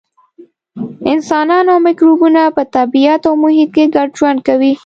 انسانان او مکروبونه په طبیعت او محیط کې ګډ ژوند کوي.